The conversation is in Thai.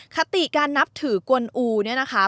คติการนับถือกวนอูเนี่ยนะคะ